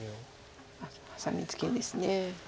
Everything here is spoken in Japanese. ハサミツケです。